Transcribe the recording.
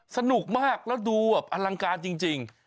สนุกมากแล้วดูแบบอลังการจริง